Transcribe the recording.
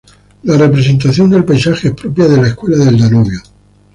La representación del paisaje es propia de la escuela del Danubio.